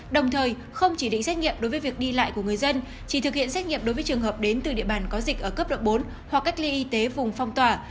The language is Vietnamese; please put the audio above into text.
đồng thời không chỉ định xét nghiệm đối với việc đi lại của người dân chỉ thực hiện xét nghiệm đối với trường hợp đến từ địa bàn có dịch ở cấp độ bốn hoặc cách ly y tế vùng phong tỏa